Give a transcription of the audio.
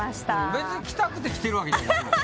別に来たくて来てるわけじゃない。